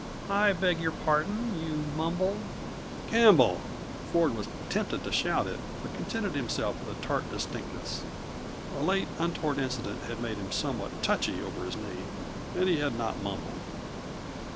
"I beg your pardon? You mumbled " "Campbell!" Ford was tempted to shout it but contented himself with a tart distinctness. A late, untoward incident had made him somewhat touchy over his name, and he had not mumbled.